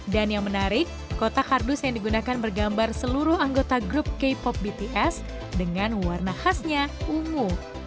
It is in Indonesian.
dan yang menarik kotak kardus yang digunakan bergambar seluruh anggota grup k pop bts dengan warna khasnya ungu